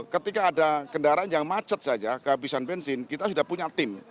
ketika ada kendaraan yang macet saja kehabisan bensin kita sudah punya tim